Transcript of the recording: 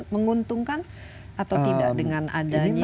menguntungkan atau tidak dengan adanya